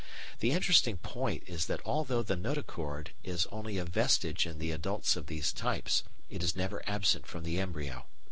The interesting point is that although the notochord is only a vestige in the adults of these types, it is never absent from the embryo.